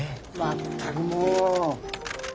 全くもう。